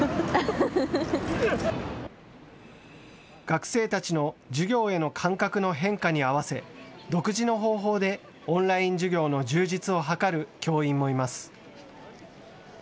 学生たちの授業への感覚の変化に合わせ独自の方法でオンライン授業の充実を図る教員もいます。